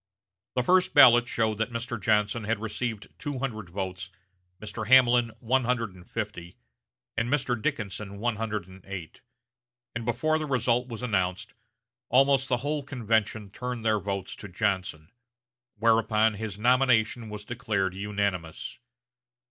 The first ballot showed that Mr. Johnson had received two hundred votes, Mr. Hamlin one hundred and fifty, and Mr. Dickinson one hundred and eight; and before the result was announced almost the whole convention turned their votes to Johnson; whereupon his nomination was declared unanimous.